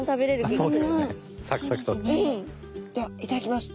ではいただきます。